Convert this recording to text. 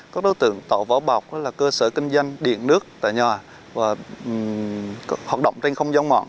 các đối tượng tạo võ bọc cơ sở kinh doanh điện nước tại nhà hoạt động trên không giống mọn